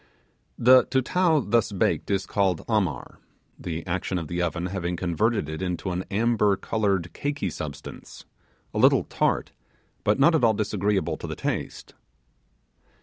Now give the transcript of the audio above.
The Tutao thus baked is called 'Amar'; the action of the oven having converted it into an amber coloured caky substance, a little tart, but not at all disagreeable to the taste.